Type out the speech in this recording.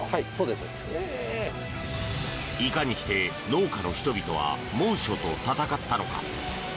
いかにして農家の人々は猛暑と闘ったのか。